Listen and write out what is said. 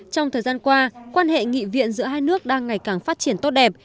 trong thời gian qua quan hệ nghị viện giữa hai nước đang ngày càng phát triển tốt đẹp